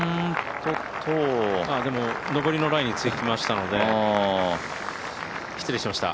でも、上りのラインにつきましたので、失礼しました。